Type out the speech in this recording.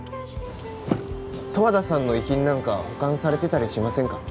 十和田さんの遺品なんか保管されてたりしませんか？